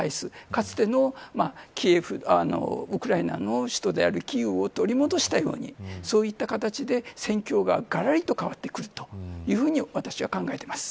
かつてのウクライナの首都であるキーウを取り戻したようにそういった形で戦況ががらりと変わってくるというふうに私は考えています。